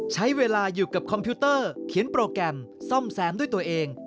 ใช้เวลาอยู่กับคอมพิวเตอร์เขียนโปรแกรมซ่อมแซมด้วยตัวเอง